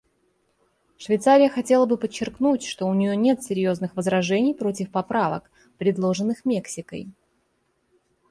Швейцария хотела бы подчеркнуть, что у нее нет серьезных возражений против поправок, предложенных Мексикой.